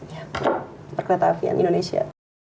ya perkereta apian indonesia